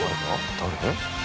誰？